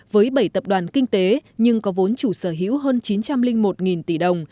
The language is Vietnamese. với bảy tập đoàn kinh tế nhưng có vốn chủ sở hữu hơn chín trăm linh một tỷ đồng